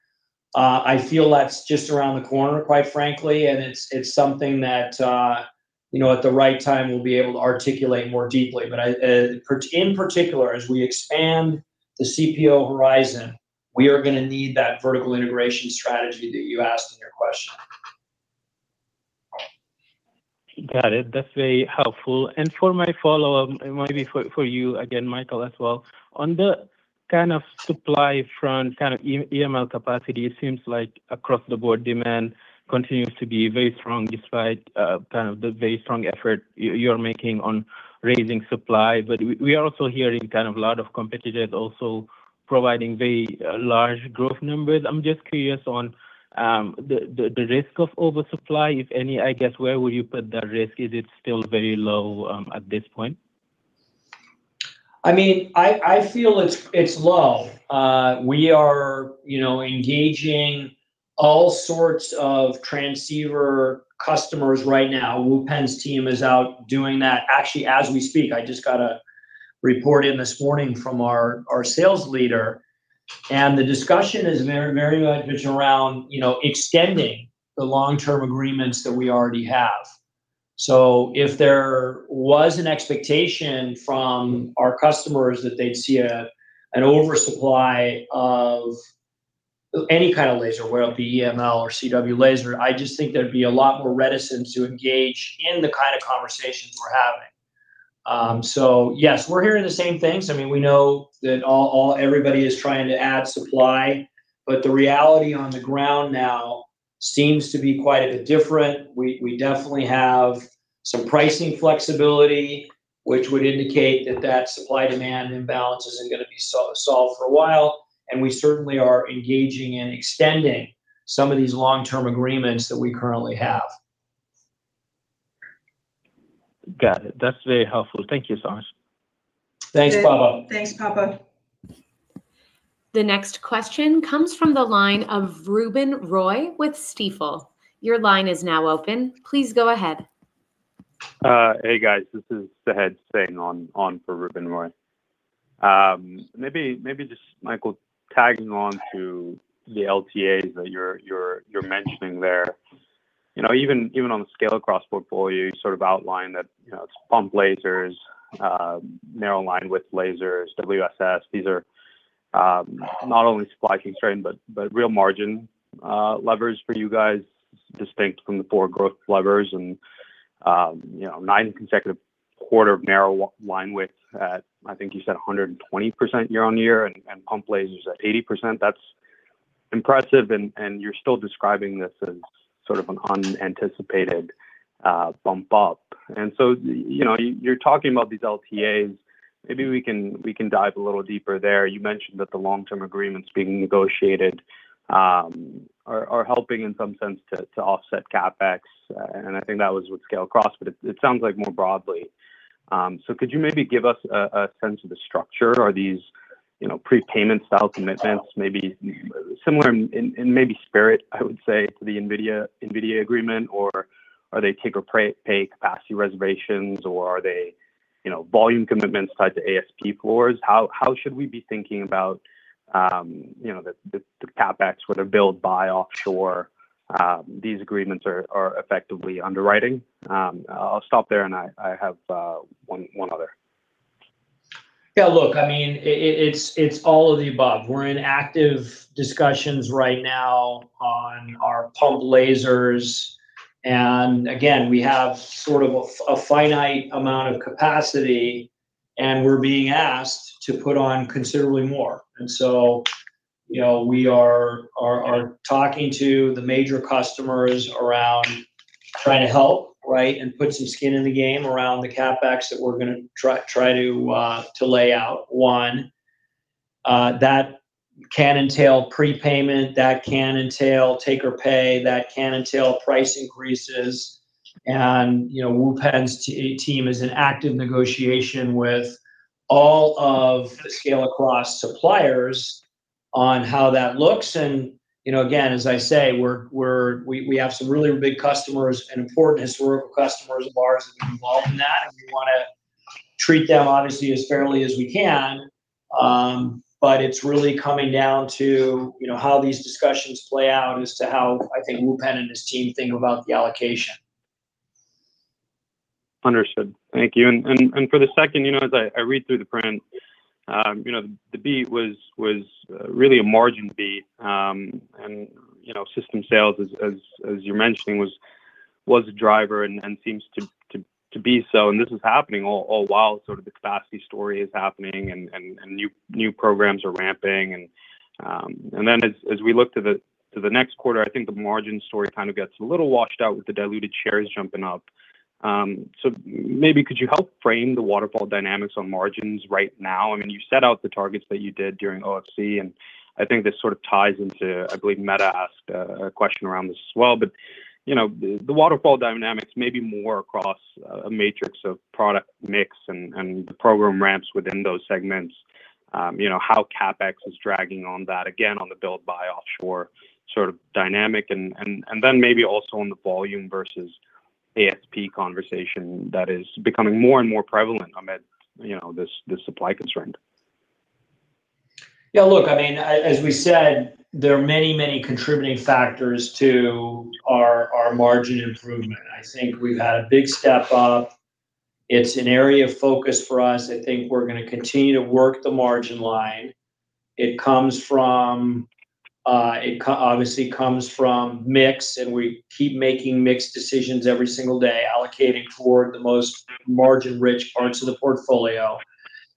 I feel that's just around the corner, quite frankly, and it's something that, you know, at the right time we'll be able to articulate more deeply. In particular, as we expand the CPO horizon, we are gonna need that vertical integration strategy that you asked in your question.
Got it. That's very helpful. For my follow-up, it might be for you again, Michael, as well. On the supply front, EML capacity, it seems like across the board demand continues to be very strong despite the very strong effort you're making on raising supply. We are also hearing a lot of competitors also providing very large growth numbers. I'm just curious on the risk of oversupply, if any. I guess, where would you put that risk? Is it still very low at this point?
I mean, I feel it's low. We are, you know, engaging all sorts of transceiver customers right now. Wupen's team is out doing that actually as we speak. I just got a report in this morning from our sales leader. The discussion is very, very much around, you know, extending the long-term agreements that we already have. If there was an expectation from our customers that they'd see an oversupply of any kind of laser, whether it be EML or CW laser, I just think there'd be a lot more reticence to engage in the kind of conversations we're having. Yes, we're hearing the same things. I mean, we know that everybody is trying to add supply. The reality on the ground now seems to be quite a bit different. We definitely have some pricing flexibility, which would indicate that that supply-demand imbalance isn't gonna be solved for a while, and we certainly are engaging and extending some of these long-term agreements that we currently have.
Got it. That's very helpful. Thank you so much.
Thanks, Papa.
Thanks, Papa.
The next question comes from the line of Ruben Roy with Stifel. Your line is now open. Please go ahead.
Hey, guys. This is [Mohammed] sitting in for Ruben Roy. Maybe just, Michael, tagging on to the LTAs that you're mentioning there. You know, even on the scale-across portfolio, you sort of outlined that, you know, it's pump lasers, narrow linewidth lasers, WSS. These are not only supply constrained, but real margin levers for you guys, distinct from the four growth levers. You know, nine consecutive quarter of narrow linewidth at, I think you said 120% year-on-year, and pump lasers at 80%. That's impressive, and you're still describing this as sort of an unanticipated bump up. You know, you're talking about these LTAs. Maybe we can dive a little deeper there. You mentioned that the long-term agreements being negotiated are helping in some sense to offset CapEx, and I think that was with scale-across, but it sounds like more broadly. Could you maybe give us a sense of the structure? Are these, you know, prepayment style commitments, maybe similar in maybe spirit, I would say, to the NVIDIA agreement, or are they take or pay capacity reservations or are they, you know, volume commitments tied to ASP floors? How should we be thinking about, you know, the CapEx, whether build, buy, offshore, these agreements are effectively underwriting? I'll stop there, and I have one other.
Yeah, look, I mean, it's all of the above. We're in active discussions right now on our pumped lasers. Again, we have sort of a finite amount of capacity, and we're being asked to put on considerably more. You know, we are talking to the major customers around trying to help, right? Put some skin in the game around the CapEx that we're gonna try to lay out. One, that can entail prepayment, that can entail take or pay, that can entail price increases and, you know, Wupen's team is in active negotiation with all of the scale-across suppliers on how that looks. You know, again, as I say, we're, we have some really big customers and important historical customers of ours that have been involved in that, and we want to treat them, obviously, as fairly as we can. It's really coming down to, you know, how these discussions play out as to how, I think, Wupen and his team think about the allocation.
Understood. Thank you. for the second, you know, as I read through the print, you know, the beat was really a margin beat, and, you know, system sales as you're mentioning was a driver and seems to be so, and this is happening all while sort of the capacity story is happening and new programs are ramping. as we look to the next quarter, I think the margin story kind of gets a little washed out with the diluted shares jumping up. Maybe could you help frame the waterfall dynamics on margins right now? I mean, you set out the targets that you did during OFC. I think this sort of ties into, I believe Meta asked a question around this as well. You know, the waterfall dynamics may be more across a matrix of product mix and the program ramps within those segments. You know, how CapEx is dragging on that, again, on the build, buy, offshore sort of dynamic and then maybe also on the volume versus ASP conversation that is becoming more and more prevalent amid, you know, this supply constraint.
Yeah, look, I mean, as we said, there are many, many contributing factors to our margin improvement. I think we've had a big step up. It's an area of focus for us. I think we're gonna continue to work the margin line. It obviously comes from mix, and we keep making mix decisions every single day, allocating toward the most margin-rich parts of the portfolio.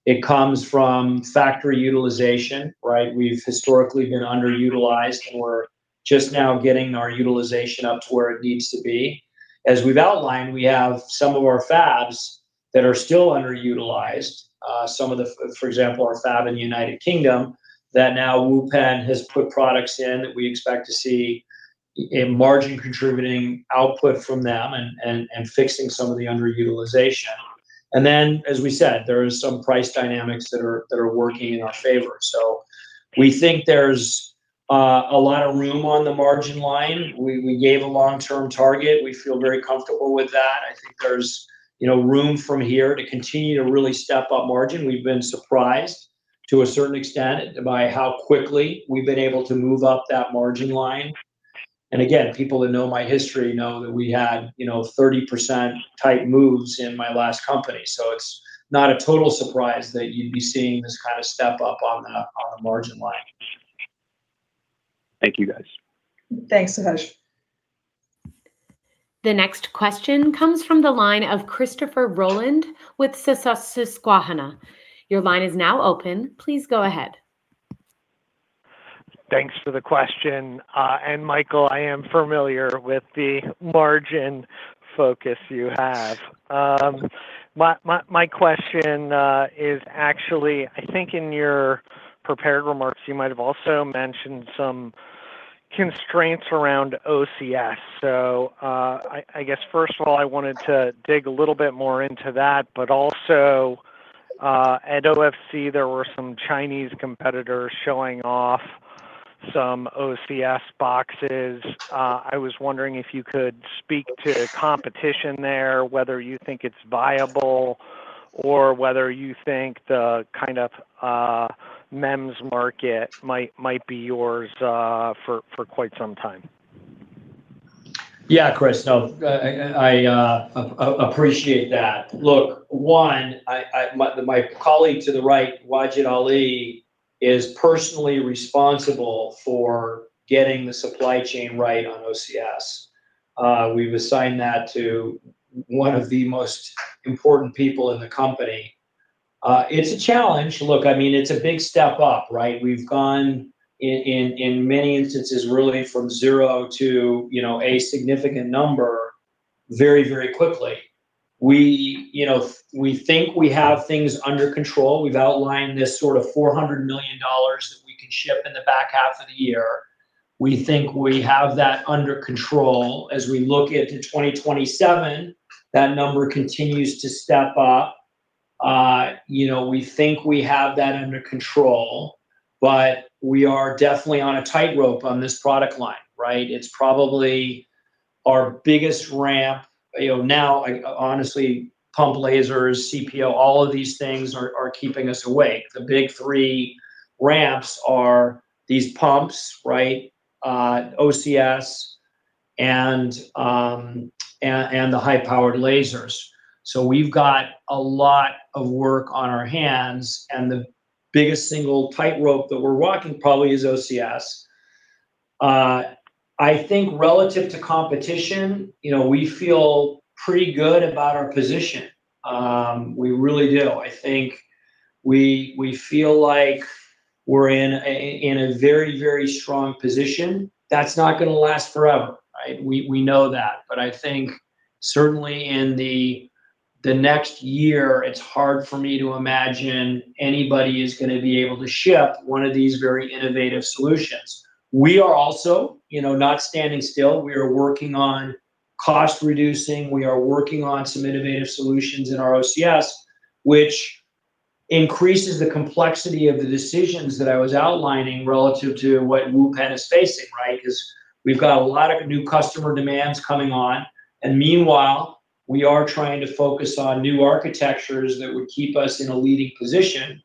It comes from factory utilization, right? We've historically been underutilized, and we're just now getting our utilization up to where it needs to be. As we've outlined, we have some of our fabs that are still underutilized. Some of the for example, our fab in the United Kingdom, that now Wupen has put products in that we expect to see a margin-contributing output from them and fixing some of the underutilization. Then, as we said, there is some price dynamics that are working in our favor. We think there's a lot of room on the margin line. We gave a long-term target. We feel very comfortable with that. I think there's, you know, room from here to continue to really step up margin. We've been surprised, to a certain extent, by how quickly we've been able to move up that margin line. Again, people that know my history know that we had, you know, 30% type moves in my last company, so it's not a total surprise that you'd be seeing this kind of step up on the margin line.
Thank you, guys.
Thanks, [Mohammed].
The next question comes from the line of Christopher Rolland with Susquehanna. Your line is now open. Please go ahead.
Thanks for the question. Michael, I am familiar with the margin focus you have. My question is actually, I think in your prepared remarks, you might have also mentioned some constraints around OCS. I guess, first of all, I wanted to dig a little bit more into that, but also, at OFC, there were some Chinese competitors showing off some OCS boxes. I was wondering if you could speak to competition there, whether you think it's viable or whether you think the kind of, MEMS market might be yours for quite some time.
Yeah, Chris, no, I appreciate that. Look, one, I, my colleague to the right, Wajid Ali, is personally responsible for getting the supply chain right on OCS. We've assigned that to one of the most important people in the company. It's a challenge. Look, I mean, it's a big step up, right? We've gone in many instances really from zero to, you know, a significant number very, very quickly. We, you know, we think we have things under control. We've outlined this sort of $400 million that we can ship in the back half of the year. We think we have that under control. As we look into 2027, that number continues to step up. You know, we think we have that under control, but we are definitely on a tightrope on this product line, right? It's probably our biggest ramp, you know, now, like honestly, pump lasers, CPO, all of these things are keeping us awake. The big three ramps are these pumps, right? OCS and the high-powered lasers. We've got a lot of work on our hands, and the biggest single tightrope that we're walking probably is OCS. I think relative to competition, you know, we feel pretty good about our position. We really do. I think we feel like we're in a very, very strong position. That's not gonna last forever, right? We know that. I think certainly in the next year, it's hard for me to imagine anybody is gonna be able to ship one of these very innovative solutions. We are also, you know, not standing still. We are working on cost reducing. We are working on some innovative solutions in our OCS, which increases the complexity of the decisions that I was outlining relative to what Wupen is facing, right? Meanwhile, we are trying to focus on new architectures that would keep us in a leading position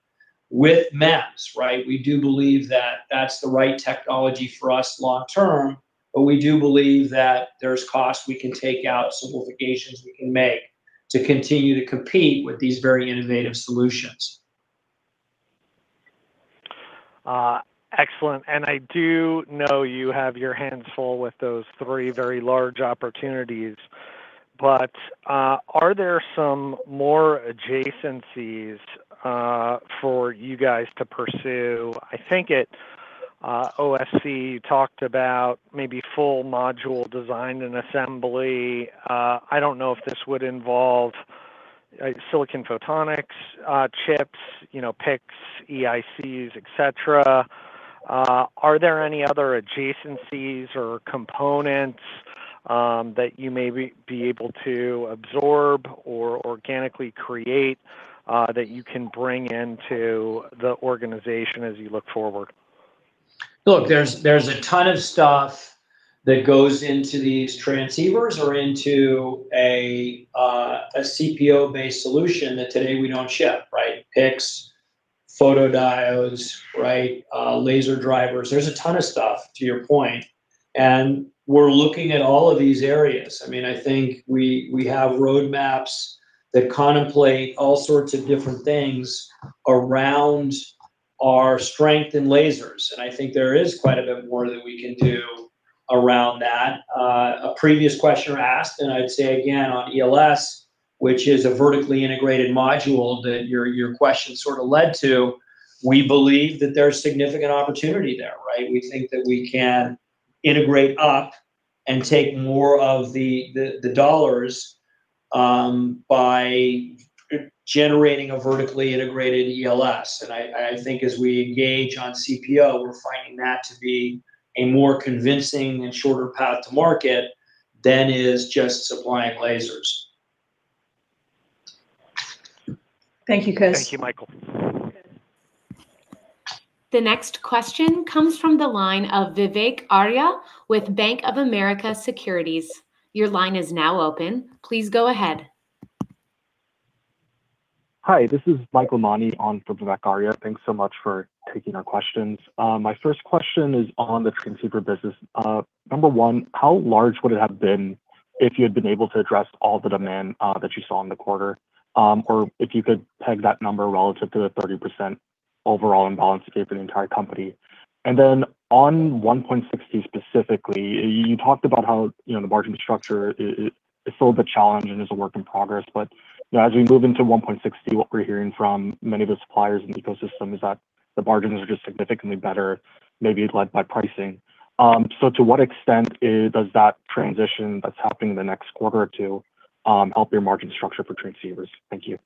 with MEMS, right? We do believe that that's the right technology for us long term, but we do believe that there's costs we can take out, simplifications we can make to continue to compete with these very innovative solutions.
Excellent. I do know you have your hands full with those three very large opportunities, but are there some more adjacencies for you guys to pursue? I think at OFC, you talked about maybe full module design and assembly. I don't know if this would involve silicon photonics chips, you know, PICs, EICs, etc. Are there any other adjacencies or components that you may be able to absorb or organically create that you can bring into the organization as you look forward?
Look, there's a ton of stuff that goes into these transceivers or into a CPO-based solution that today we don't ship, right? PICs, photodiodes, right? Laser drivers. There's a ton of stuff, to your point. We're looking at all of these areas. I mean, I think we have roadmaps that contemplate all sorts of different things around our strength in lasers, I think there is quite a bit more that we can do around that. A previous questioner asked, I'd say again on ELS, which is a vertically integrated module that your question sort of led to, we believe that there's significant opportunity there, right? We think that we can integrate up and take more of the dollars by generating a vertically integrated ELS. I think as we engage on CPO, we're finding that to be a more convincing and shorter path to market than is just supplying lasers.
Thank you, Chris.
Thank you, Michael.
The next question comes from the line of Vivek Arya with Bank of America Securities. Your line is now open. Please go ahead.
Hi, this is Mike Mani on for Vivek Arya. Thanks so much for taking our questions. My first question is on the transceiver business. Number one, how large would it have been if you had been able to address all the demand that you saw in the quarter? If you could peg that number relative to the 30% overall imbalance you gave for the entire company. On 1.6T specifically, you talked about how, you know, the margin structure is still a bit challenged and is a work in progress. You know, as we move into 1.6T, what we're hearing from many of the suppliers in the ecosystem is that the margins are just significantly better, maybe led by pricing. To what extent does that transition that's happening in the next quarter or two, help your margin structure for transceivers? Thank you.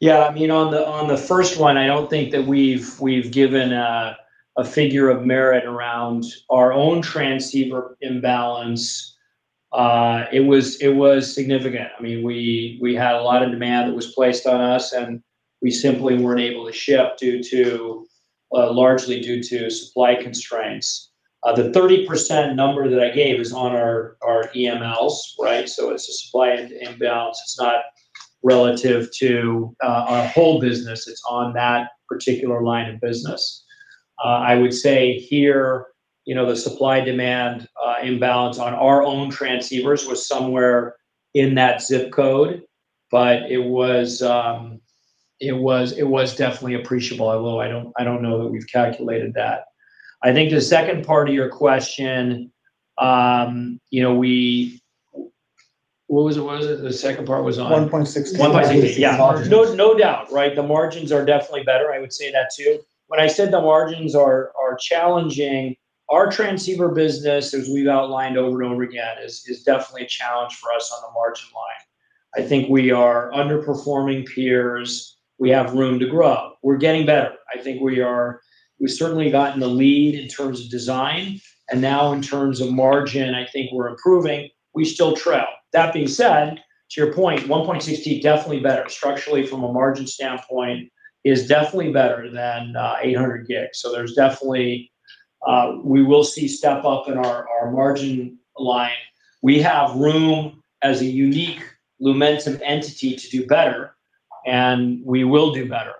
On the first one, I don't think that we've given a figure of merit around our own transceiver imbalance. It was significant. We had a lot of demand that was placed on us, and we simply weren't able to ship due to largely due to supply constraints. The 30% number that I gave is on our EMLs, right? It's a supply and imbalance. It's not relative to our whole business. It's on that particular line of business. I would say here, you know, the supply demand imbalance on our own transceivers was somewhere in that zip code, but it was definitely appreciable, although I don't know that we've calculated that. I think the second part of your question, you know, What was it?
1.6T.
1.6T, yeah.
Margins.
No, no doubt, right. The margins are definitely better. I would say that too. When I said the margins are challenging, our transceiver business, as we've outlined over and over again, is definitely a challenge for us on the margin line. I think we are underperforming peers. We have room to grow. We're getting better. I think we've certainly gotten the lead in terms of design, and now in terms of margin I think we're improving. We still trail. That being said, to your point, 1.6T definitely better structurally from a margin standpoint is definitely better than 800 gig. There's definitely, we will see step up in our margin line. We have room as a unique Lumentum entity to do better, and we will do better.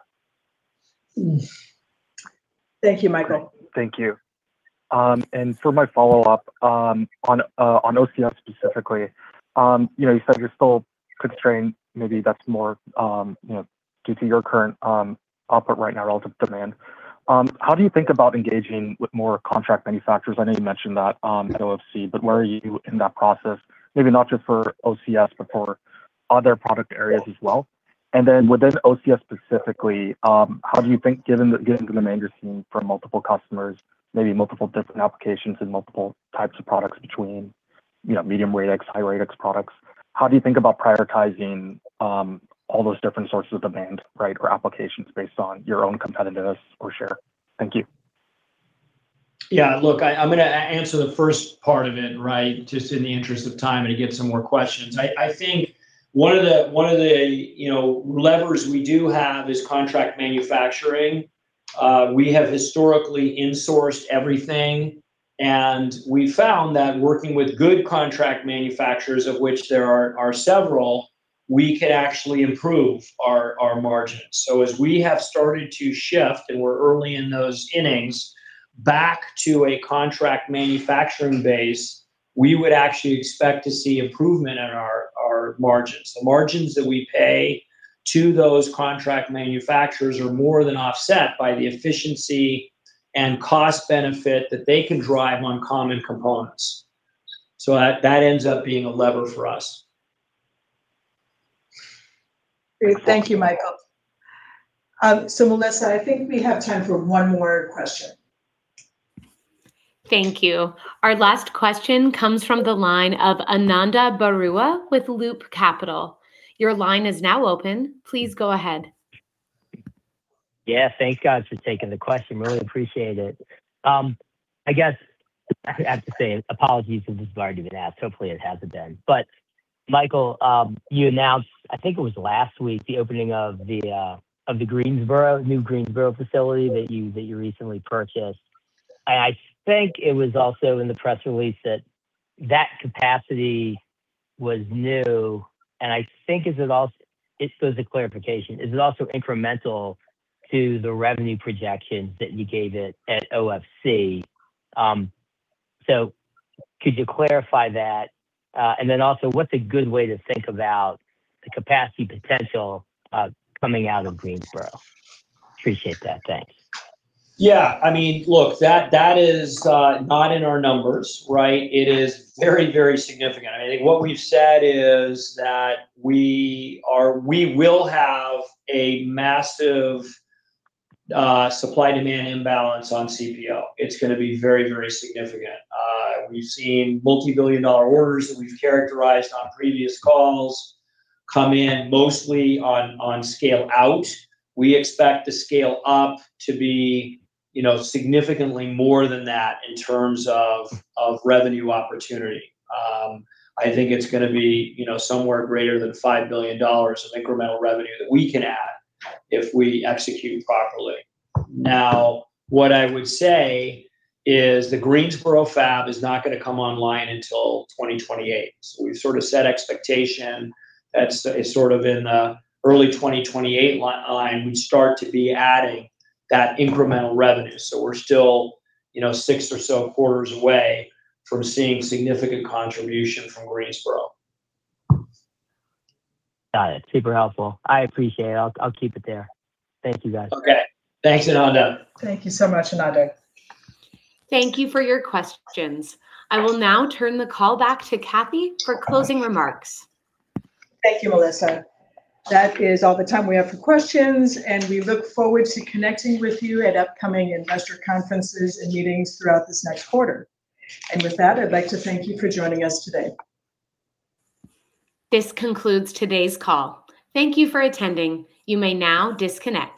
Thank you, Michael.
Thank you. For my follow-up, on OCS specifically, you know, you said you're still constrained. Maybe that's more, you know, due to your current output right now relative to demand. How do you think about engaging with more contract manufacturers? I know you mentioned that at OFC, where are you in that process? Maybe not just for OCS, for other product areas as well. Within OCS specifically, how do you think, given the demand you're seeing from multiple customers, maybe multiple different applications and multiple types of products between, you know, medium Radix, high Radix products, how do you think about prioritizing all those different sources of demand, right, or applications based on your own competitiveness or share? Thank you.
Yeah. Look, I'm gonna answer the first part of it, right, just in the interest of time and to get some more questions. I think one of the, you know, levers we do have is contract manufacturing. We have historically insourced everything, and we found that working with good contract manufacturers, of which there are several, we could actually improve our margins. As we have started to shift, and we're early in those innings, back to a contract manufacturing base, we would actually expect to see improvement in our margins. The margins that we pay to those contract manufacturers are more than offset by the efficiency and cost benefit that they can drive on common components. That ends up being a lever for us.
Great. Thank you, Michael. Melissa, I think we have time for one more question.
Thank you. Our last question comes from the line of Ananda Baruah with Loop Capital. Your line is now open. Please go ahead.
Thank you guys for taking the question. Really appreciate it. I guess I have to say apologies if this has already been asked. Hopefully it hasn't been. Michael, you announced, I think it was last week, the opening of the Greensboro, new Greensboro facility that you recently purchased. I think it was also in the press release that capacity was new, and I think just as a clarification, is it also incremental to the revenue projections that you gave it at OFC? Could you clarify that? Also, what's a good way to think about the capacity potential coming out of Greensboro? Appreciate that. Thanks.
I mean, look, that is not in our numbers, right? It is very, very significant. I think what we've said is that we will have a massive supply demand imbalance on CPO. It's gonna be very, very significant. We've seen multi-billion dollar orders that we've characterized on previous calls come in mostly on scale-out. We expect the scale-up to be, you know, significantly more than that in terms of revenue opportunity. I think it's gonna be, you know, somewhere greater than $5 billion of incremental revenue that we can add if we execute properly. What I would say is the Greensboro fab is not gonna come online until 2028. We've sort of set expectation that it's sort of in early 2028 line we start to be adding that incremental revenue. We're still, you know, six or so quarters away from seeing significant contribution from Greensboro.
Got it. Super helpful. I appreciate it. I'll keep it there. Thank you, guys.
Okay. Thanks, Ananda.
Thank you so much, Ananda.
Thank you for your questions. I will now turn the call back to Kathy for closing remarks.
Thank you, Melissa. That is all the time we have for questions. We look forward to connecting with you at upcoming investor conferences and meetings throughout this next quarter. With that, I'd like to thank you for joining us today.
This concludes today's call. Thank you for attending. You may now disconnect.